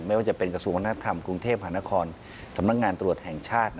ไม่ว่าจะเป็นกระทรวงวัฒนธรรมกรุงเทพหานครสำนักงานตรวจแห่งชาติ